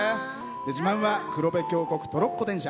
自慢は黒部峡谷トロッコ電車